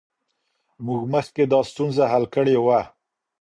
موږ مخکې دا ستونزه حل کړې وه.